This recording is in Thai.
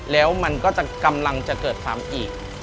แล้วมันก็จะกำลังจะเกิดความอีก